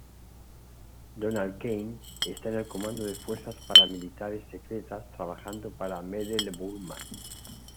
Roland Kane está en el comando de fuerzas paramilitares secretas trabajando para Mendel-Gruman.